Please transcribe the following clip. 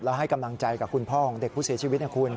แล้วให้กำลังใจกับคุณพ่อของเด็กผู้เสียชีวิตนะคุณ